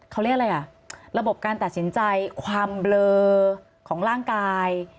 เขาเรียกอะไรอ่ะระบบการตัดสินใจความเบลอของร่างกาย